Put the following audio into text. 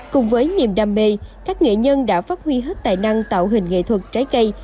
cùng với niềm đam mê các nghệ nhân đã phát huy hết tài năng tạo hình nghệ thuật trái cây